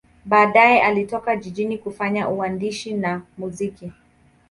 Baadaye alitoka jijini kufanya uandishi na muziki.